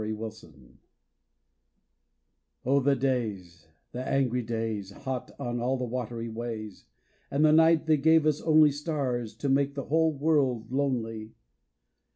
18 ADRIFT OH the days, the angry days, Hot on all the watery ways, And the nights that gave us only Stars, to make the whole world lonely